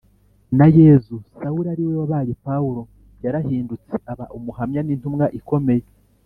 na yezu, sawuli ariwe wabaye paulo, yarahindutse aba umuhamya n’intumwa ikomeye